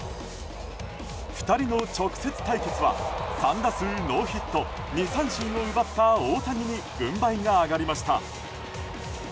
２人の直接対決は３打数ノーヒット２三振を奪った大谷に軍配が上がりました。